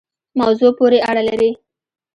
موضوع پوری اړه لری